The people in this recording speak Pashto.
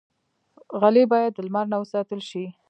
غلۍ باید د لمر نه وساتل شي.